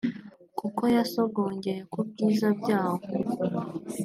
kuko yasogongeye ku byiza byawo